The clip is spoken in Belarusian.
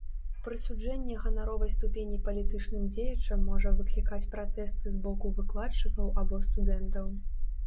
Прысуджэнне ганаровай ступені палітычным дзеячам можа выклікаць пратэсты з боку выкладчыкаў або студэнтаў.